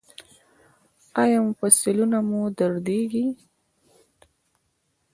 ایا مفصلونه مو دردیږي؟